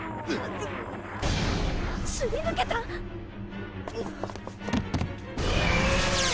すり抜けた！あっ。